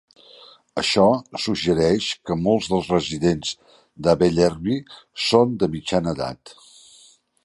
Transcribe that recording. Això suggereix que molts dels residents de Bellerby són de mitjana edat.